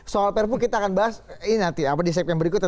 soal perpu kita akan bahas nanti di segmen berikutnya